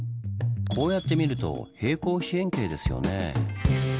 こうやって見ると平行四辺形ですよねぇ。